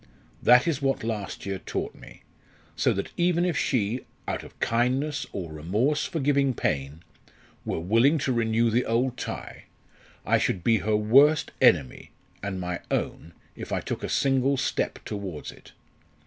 That is what last year taught me. So that even if she out of kindness or remorse for giving pain were willing to renew the old tie I should be her worst enemy and my own if I took a single step towards it.